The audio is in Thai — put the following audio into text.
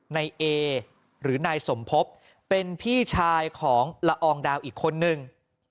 นายเอหรือนายสมภพเป็นพี่ชายของละอองดาวอีกคนนึง